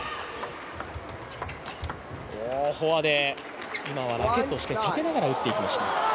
フォアで今はラケットをしっかり立てながら打っていきました。